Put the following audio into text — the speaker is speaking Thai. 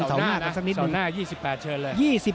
เสาร์หน้า๒๘เชิญเลย